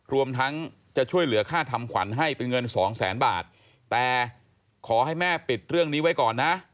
รวมทั้งจะช่วยเหลือค่าทำขวัญให้เป็นเงินสองแสนบาทแต่ขอให้แม่ปิดเรื่องนี้ไว้ก่อนนะ